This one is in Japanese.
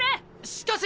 しかし！